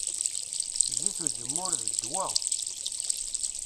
Zzit n uzemmur, d ddwa.